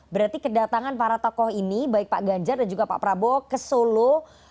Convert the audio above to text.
berarti kedatangan para tokoh ini baik pak ganjar dan juga pak prabowo ke solo